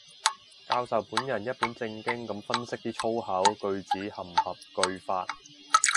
教授本人一本正經噉分析啲粗口句子合唔合句法